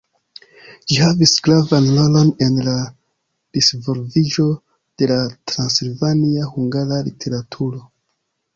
Ĝi havis gravan rolon en la disvolviĝo de la transilvania hungara literaturo.